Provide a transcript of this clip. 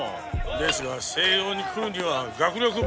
ですが星葉に来るには学力不足